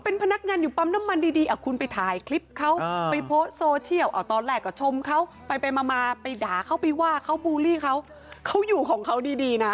เป็นพนักงานอยู่ปั๊มน้ำมันดีอ่ะคุณไปถ่ายคลิปเขาไปโพสต์โซเชียลตอนแรกก็ชมเขาไปไปมามาไปด่าเขาไปว่าเขาบูลลี่เขาเขาอยู่ของเขาดีดีนะ